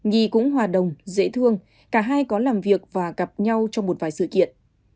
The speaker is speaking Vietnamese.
nhi cũng hòa đồng dễ thương cả hai có làm việc và gặp nhau trong một vài sự kiện